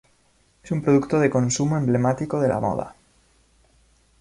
Es un producto de consumo emblemático de la moda.